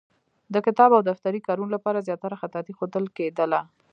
د کتابت او دفتري کارونو لپاره زیاتره خطاطي ښودل کېدله.